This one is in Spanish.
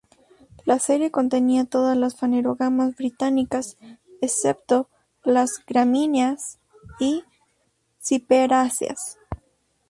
La serie contenía todas las fanerógamas británicas, excepto las gramíneas y ciperáceas.